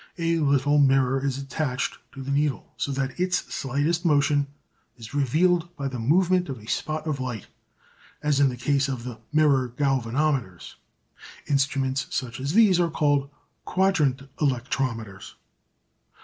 A little mirror is attached to the needle, so that its slightest motion is revealed by the movement of a spot of light, as in the case of the mirror galvanometers. Instruments such as these are called "Quadrant Electrometers."